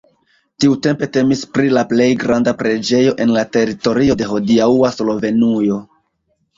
Tiutempe temis pri la plej granda preĝejo en la teritorio de hodiaŭa Slovenujo.